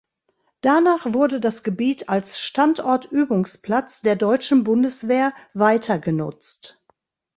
Danach wurde das Gebiet als Standortübungsplatz der deutschen Bundeswehr weitergenutzt.